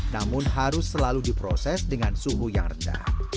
namun harus selalu diproses dengan suhu yang rendah